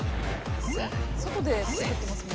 外で作ってますもんね